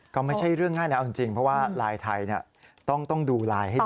ก็ไม่ใช่เรื่องง่ายนะเอาจริงเพราะว่าไลน์ไทยต้องดูไลน์ให้ดี